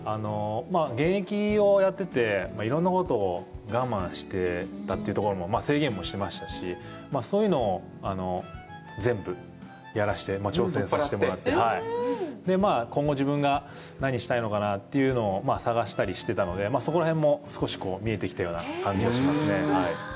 現役をやってていろんなことを我慢してたというところも、制限もしてましたし、そういうのを全部やらせてもらって、今後自分が何したいのかなというのを探したりしてたので、そこら辺も少し見えてきたような感じがしますね。